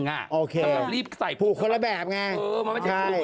ถ้าเรารีบใส่ผูกคนละแบบไง